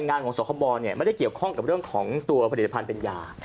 งานของสคบไม่ได้เกี่ยวข้องกับเรื่องของตัวผลิตภัณฑ์เป็นยา